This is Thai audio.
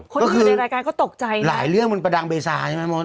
คนอื่นในรายการก็ตกใจหลายเรื่องมันประดังเบซาใช่ไหมมด